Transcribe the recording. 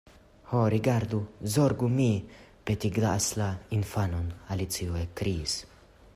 "Ho, rigardu, zorgu, mi petegasla infanon!" Alicio ekkriis.